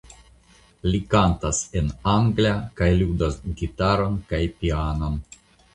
Li kantas en angla kaj ludas gitaron kaj pianon.